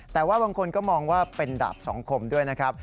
แต่ว่าบางคนก็มองว่าเป็นดาบสองคมด้วยนะครับ